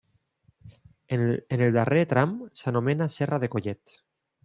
En el darrer tram s'anomena Serra de Collet.